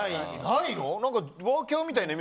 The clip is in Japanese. ないの？